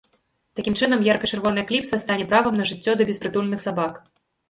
Такім чынам ярка-чырвоная кліпса стане правам на жыццё для беспрытульных сабак.